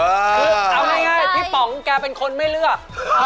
คือเอาง่ายพี่ป๋องแกเป็นคนไม่เลือก